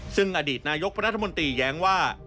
ซึ่งอดีตนายกรัฐมนตรีแย้งว่า